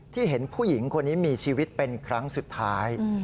เห็นผู้หญิงคนนี้มีชีวิตเป็นครั้งสุดท้าย